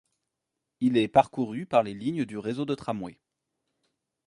Il est parcouru par les lignes du réseau de tramway.